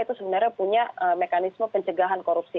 itu sebenarnya punya mekanisme pencegahan korupsi